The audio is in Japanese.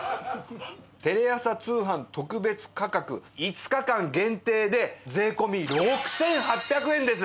テレ朝通販特別価格５日間限定で税込６８００円です！